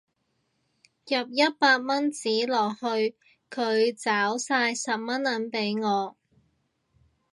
入一百蚊紙落去佢找晒十蚊銀俾我